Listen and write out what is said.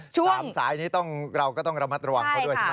สามสายนี้เราก็ต้องระมัดระวังเขาด้วยใช่ไหม